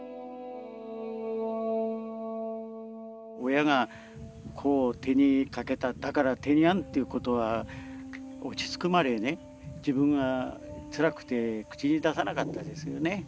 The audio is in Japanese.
親が子を手にかけただからテニアンっていうことは落ち着くまでね自分がつらくて口に出さなかったですよね。